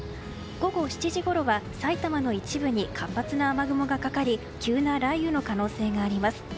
午後７時ごろは埼玉の一部に活発な雨雲がかかり急な雷雨の可能性があります。